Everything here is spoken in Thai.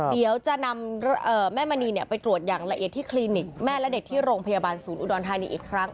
เดี๋ยวจะนำแม่มณีไปตรวจอย่างละเอียดที่คลินิกแม่และเด็กที่โรงพยาบาลศูนย์อุดรธานีอีกครั้ง